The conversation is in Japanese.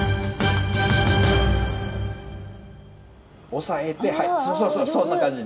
押さえてはいそうそうそうそんな感じで。